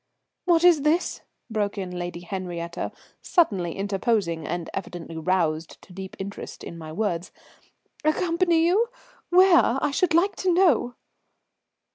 "What is this?" broke in Lady Henriette, suddenly interposing and evidently roused to deep interest in my words. "Accompany you? Where, I should like to know?"